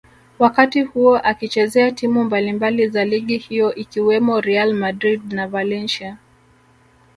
wakati huo akizichezea timu mbalimbali za ligi hiyo ikiwemo Real Madrid na Valencia